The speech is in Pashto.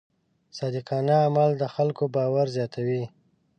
صادقانه عمل د خلکو باور زیاتوي.